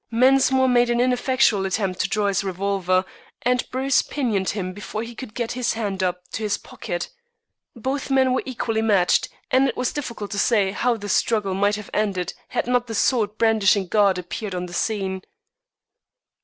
Mensmore made an ineffectual attempt to draw his revolver, and Bruce pinioned him before he could get his hand up to his pocket. Both men were equally matched, and it was difficult to say how the struggle might have ended had not the sword brandishing guard appeared on the scene.